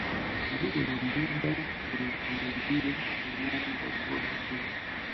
karibu na mbuga za Tarangire Manyara Ngorongoro Arusha